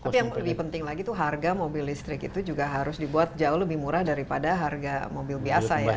tapi yang lebih penting lagi itu harga mobil listrik itu juga harus dibuat jauh lebih murah daripada harga mobil biasa ya